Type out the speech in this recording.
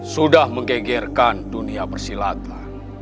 sudah menggegerkan dunia persilatan